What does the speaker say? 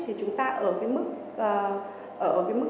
thì chúng ta ở cái mức phân loại là mức ba bốn năm